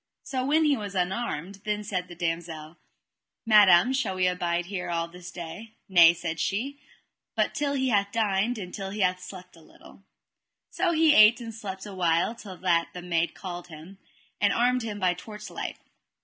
So when he was unarmed, then said the damosel: Madam, shall we abide here all this day? Nay, said she, but till he hath dined and till he hath slept a little. So he ate and slept a while till that the maid called him, and armed him by torchlight.